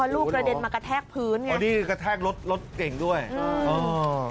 ลูกกระเด็นมากระแทกพื้นไงอ๋อนี่กระแทกรถรถเก่งด้วยเออเออ